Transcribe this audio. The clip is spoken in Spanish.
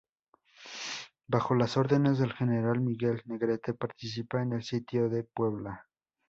Bajo las órdenes del general Miguel Negrete participa en el Sitio de Puebla.